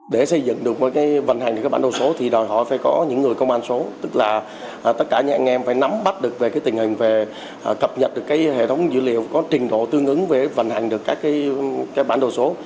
để xây dựng được vận hành bản đối số thì họ phải có những người công an số tức là tất cả những anh em phải nắm bắt được tình hình về cập nhật được hệ thống dữ liệu có trình độ tương ứng về vận hành được các bản đối số